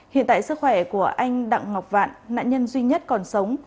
hiện tại sức khỏe của anh đặng ngọc vạn nạn nhân duy nhất còn sống